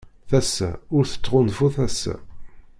Tasa ur tettɣunfu tasa.